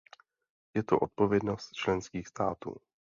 Je to odpovědnost členských států.